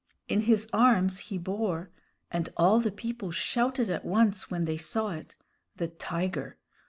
In his arms he bore and all the people shouted at once when they saw it the tiger.